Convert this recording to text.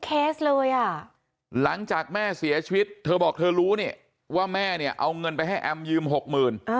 เคสเลยอ่ะหลังจากแม่เสียชีวิตเธอบอกเธอรู้เนี่ยว่าแม่เนี่ยเอาเงินไปให้แอมยืมหกหมื่น